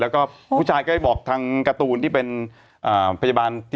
แล้วก็ผู้ชายก็ได้บอกทางการ์ตูนที่เป็นพยาบาล